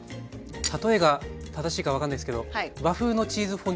例えが正しいか分かんないですけど和風のチーズフォンデュっぽい感じ。